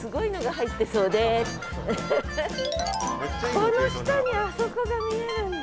この下にあそこが見えるんだ。